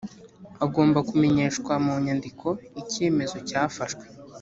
agomba kumenyeshwa mu nyandiko icyemezo cyafashwe